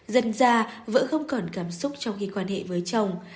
dần ra vợ không còn cảm xúc trong khi quan hệ với chồng